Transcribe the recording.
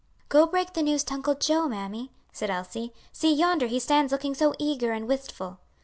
"Go break the news to Uncle Joe, mammy," said Elsie; "see, yonder he stands looking so eager and wistful."